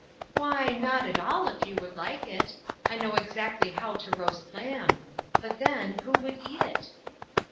"Why, not at all, if you would like it, I know exactly how to roast lamb. But, then, who would eat it